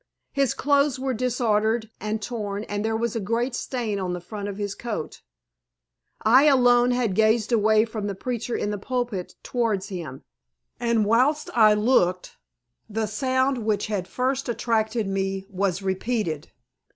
His clothes were disordered and torn, and there was a great stain on the front of his coat. I alone had gazed away from the preacher in the pulpit towards him, and whilst I looked the sound which had first attracted me was repeated.